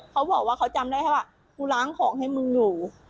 เขาบอกว่าเขาจำได้แค่ว่ากูล้างของให้มึงอยู่